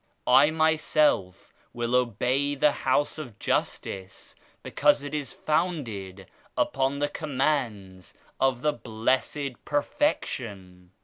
I myself will obey the House of Justice because it is founded upon the Commands of the Blessed Per fection.